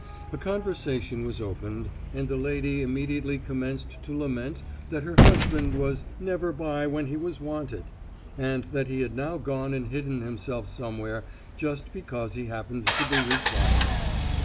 A conversation was opened, and the lady immediately commenced to lament that her husband was "never by when he was wanted," and that he had now gone and hidden himself somewhere just because he happened to be required.